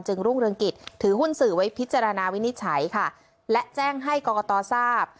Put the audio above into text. รุ่งเรืองกิจถือหุ้นสื่อไว้พิจารณาวินิจฉัยค่ะและแจ้งให้กรกตทราบ